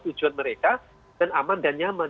tujuan mereka dan aman dan nyaman